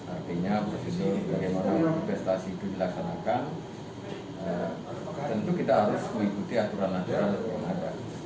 artinya posisi bagaimana investasi itu dilaksanakan tentu kita harus mengikuti aturan aturan yang ada